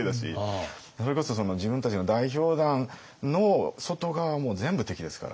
それこそ自分たちの代表団の外側はもう全部敵ですから。